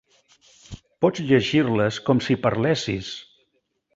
Pots llegir-les com si parlessis.